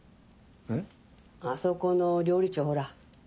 えっ？あそこの料理長ほら。